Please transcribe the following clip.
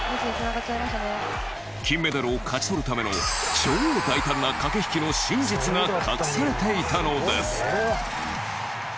金メダルを勝ち取るための超大胆な駆け引きの真実が隠されていたのです。